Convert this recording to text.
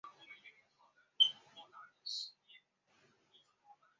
氟西泮由于是苯二氮受体的部分激动剂而尤其独特。